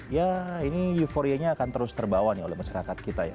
ya ini euforianya akan terus terbawa nih oleh masyarakat kita ya